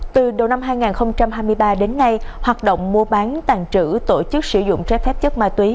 từ đầu năm hai nghìn hai mươi ba đến nay hoạt động mua bán tàn trữ tổ chức sử dụng trái phép chất ma túy